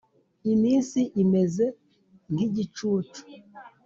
Iminsi imeze nk igicucu